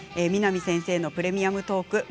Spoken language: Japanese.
南先生の「プレミアムトーク」